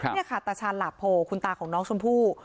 นี่ค่ะตาชาญหลาโพคุณตาของน้องชมพู่